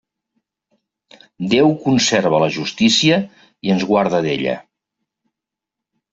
Déu conserve la justícia i ens guarde d'ella.